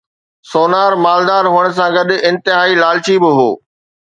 sonar مالدار هئڻ سان گڏ انتهائي لالچي به هو